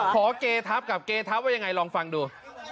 ขอเขตั๊ปกับเขตั๊ปว่ายังไงลองฟังดู